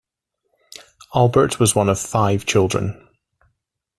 Albert was one of five children.